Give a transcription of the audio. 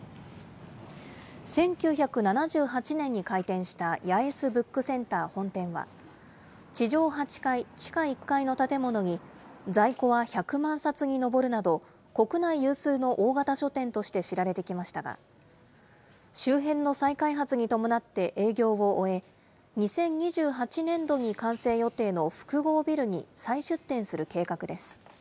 １９７８年に開店した八重洲ブックセンター本店は、地上８階、地下１階の建物に、在庫は１００万冊に上るなど、国内有数の大型書店として知られてきましたが、周辺の再開発に伴って営業を終え、２０２８年度に完成予定の複合ビルに再出店する計画です。